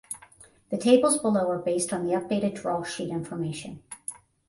The tables below are based on the updated draw sheet information.